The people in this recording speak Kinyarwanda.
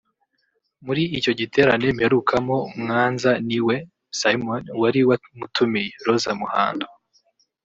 muri icyo giterane mperukamo Mwanza ni we (Simon) wari wamutumiye (Rose Muhando)